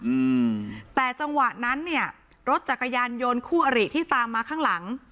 อืมแต่จังหวะนั้นเนี่ยรถจักรยานยนต์คู่อริที่ตามมาข้างหลัง